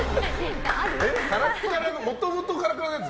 もともとカラカラのやつ？